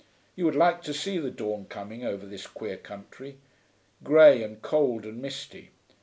You would like to see the dawn coming over this queer country, grey and cold and misty.